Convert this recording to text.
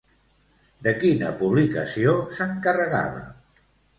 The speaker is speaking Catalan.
De quina publicació s'encarregava?